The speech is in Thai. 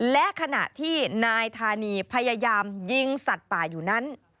และขณะที่นายธานีพยายามยิงสัตว์ป่าอยู่นั้น